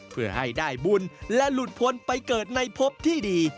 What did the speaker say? เพื่อให้ได้บุญและหลุดพ้นไปเกิดในพบที่ดี